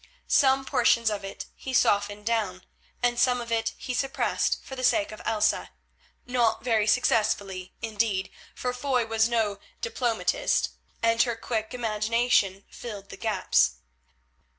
Some portions of it he softened down, and some of it he suppressed for the sake of Elsa—not very successfully, indeed, for Foy was no diplomatist, and her quick imagination filled the gaps.